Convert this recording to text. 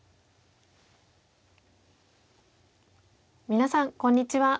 皆さんこんにちは。